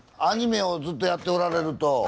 アニメをずっとやっておられると。